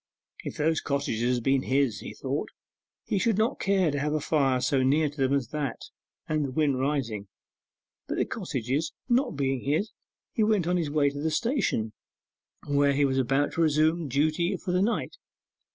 If those cottages had been his, he thought, he should not care to have a fire so near them as that and the wind rising. But the cottages not being his, he went on his way to the station, where he was about to resume duty for the night.